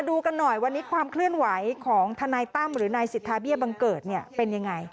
ดูกันหน่อยวันนี้ความเคลื่อนไหวของทนายตั้มหรือนายสิทธาเบี้ยบังเกิดเนี่ยเป็นยังไง